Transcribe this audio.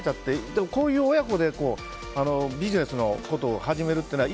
でも、こういう親子でビジネスのことを始めるっていうのは